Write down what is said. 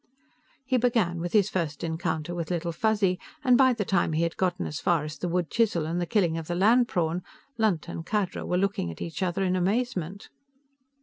He began with his first encounter with Little Fuzzy, and by the time he had gotten as far as the wood chisel and the killing of the land prawn, Lunt and Khadra were looking at each other in amazement.